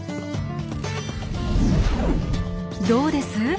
どうです？